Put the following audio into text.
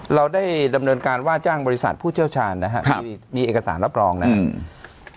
เราได้ดำเนินการว่าจ้างบริษัทผู้เชี่ยวชาญนะครับมีเอกสารรับรองนะครับ